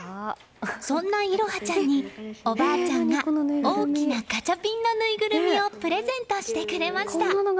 そんな彩華ちゃんにおばあちゃんが大きなガチャピンのぬいぐるみをプレゼントしてくれました。